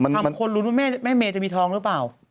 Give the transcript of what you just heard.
ทำคนรู้ว่าแม่เมจะมีท้องหรือเปล่า